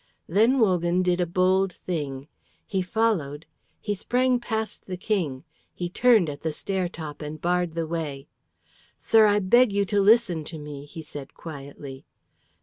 Then Wogan did a bold thing. He followed, he sprang past the King, he turned at the stair top and barred the way. "Sir, I beg you to listen to me," he said quietly.